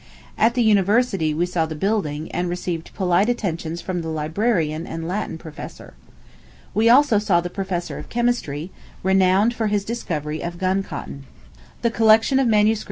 At the university we saw the building, and received polite attentions from the librarian and Latin professor. We also saw the professor of chemistry, renowned for his discovery of gun cotton. The collection of MSS.